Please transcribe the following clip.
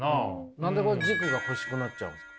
何で軸が欲しくなっちゃうんですか？